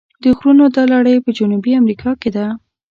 د غرونو دا لړۍ په جنوبي امریکا کې ده.